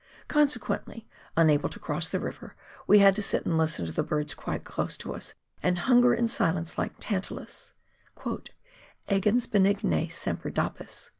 Consequently, unable to cross the river, we had to sit and listen to birds qmte close to us, and hunger in silence like Tantalus :—" Egens benignae semper dapis."